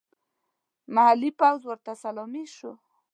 محلي پوځ ورته سلامي شو.